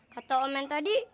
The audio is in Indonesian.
kata om yang tadi